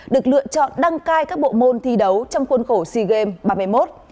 được lựa chọn đăng cai các bộ môn thi đấu trong khuôn khổ sea games ba mươi một